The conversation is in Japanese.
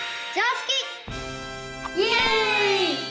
イエイ！